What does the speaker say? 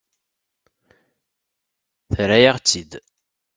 Terra-yaɣ-tt-id.